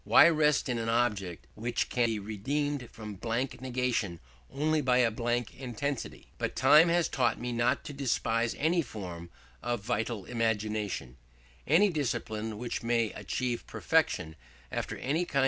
Why rest in an object which can be redeemed from blank negation only by a blank intensity? But time has taught me not to despise any form of vital imagination, any discipline which may achieve perfection after any kind.